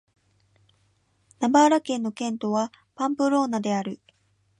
ナバーラ県の県都はパンプローナである